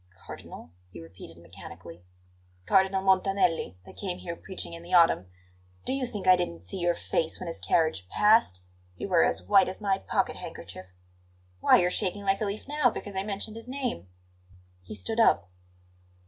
"Cardinal?" he repeated mechanically. "Cardinal Montanelli, that came here preaching in the autumn. Do you think I didn't see your face when his carriage passed? You were as white as my pocket handkerchief! Why, you're shaking like a leaf now because I mentioned his name!" He stood up.